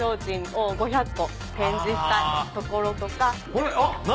これあっ何？